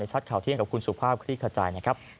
ในชัดข่าวที่ยังกับคุณสุภาพครีกขจัย